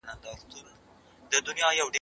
کالي د مور له خوا وچول کيږي؟